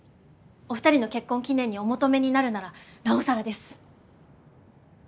お二人の結婚記念にお求めになるならなおさらです！